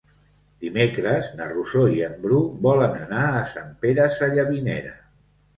Dimecres na Rosó i en Bru volen anar a Sant Pere Sallavinera.